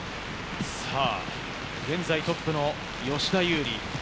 現在トップの吉田優利。